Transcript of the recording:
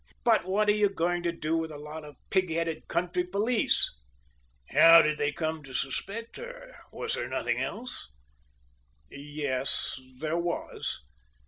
But what are you going to do with a lot of pig headed country police " "How did they come to suspect her? Was there nothing else?" "Yes, there was.